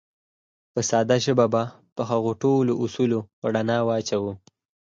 په ساده ژبه به په هغو ټولو اصولو رڼا واچوو.